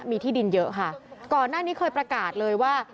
มีที่ดินเยอะค่ะก่อนหน้านี้เคยประกาศเลยว่า